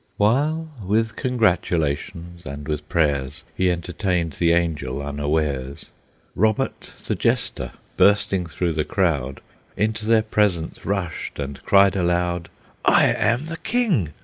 While with congratulations and with prayers He entertained the Angel unawares, Robert, the Jester, bursting through the crowd, Into their presence rushed, and cried aloud, "I am the King!